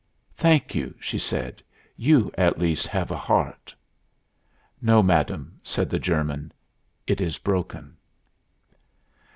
"Thank you," she said; "you, at least, have a heart." "No, madam," said the German; "it is broken."